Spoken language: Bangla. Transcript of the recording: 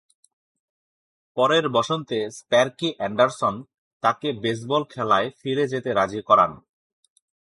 পরের বসন্তে, স্প্যার্কী অ্যান্ডারসন তাকে বেসবল খেলায় ফিরে যেতে রাজি করান।